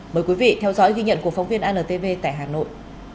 mời quý vị theo dõi ghi nhận của phóng viên antv tại hà nội